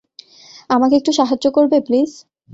আমাকে একটু সাহায্য করবে, প্লিজ?